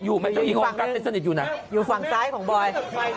อยู่ฝั่งซ้ายของบอย